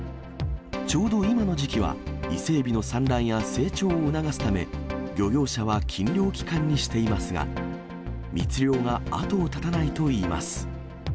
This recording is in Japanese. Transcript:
ちょうど今の時期は、伊勢エビの産卵や成長を促すため、漁業者は禁漁期間にしていますが、密猟が後を絶たないといいます。